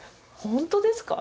「本当ですか？」